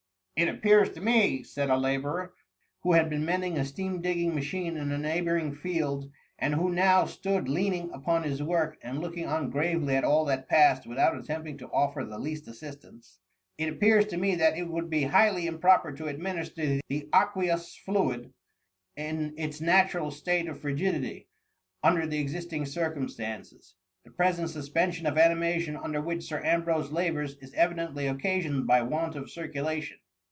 '*^' It appears to me/' said a labourer, who had been mending a steam digging machine in a neighbouring field, and who now stood leaning upon his work, and looking on gravely at all that passed^ without attempting to offer the least assistance ;—^^ It appears to me that it would be highly improper to administer the aqueous fluid in its natural state of frigidity, under the existing circumstances. The pre sent suspension of animation under which Sir Ambrose labours, is evidently occasioned by want of circulation.